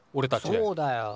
そうだよ。